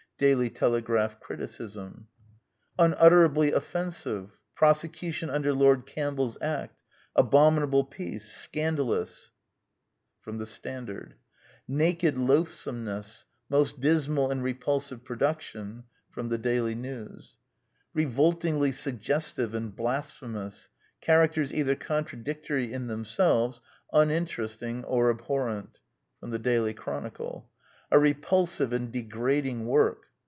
Daily Telegraph [criticism]. " Unutterably off ensive. ... Prose cution under Lord Campbell's Act. ••• Abomi nable piece. ••• Scandalous." Standard. *' Naked loathsomeness. ••• Most dismal and repulsive production." Daily News. " Revoltingly sug gestive and blasphemous. ••. Characters either contradictory in themselves, uninteresting or ab horrent." Daily Chronicle. " A repulsive and degrading work."